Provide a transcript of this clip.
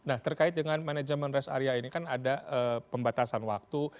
nah terkait dengan manajemen rest area ini kan ada pembatasan waktu